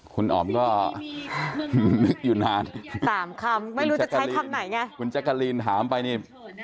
คุณจักรีนถามไปนี่